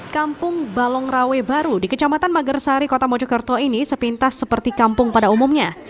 kampung balongrawe baru di kecamatan magersari kota mojokerto ini sepintas seperti kampung pada umumnya